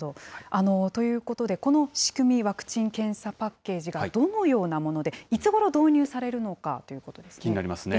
ということで、この仕組み、ワクチン・検査パッケージがどのようなもので、いつごろ導入されるのかということですね。